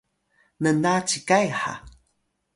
nna cikay ha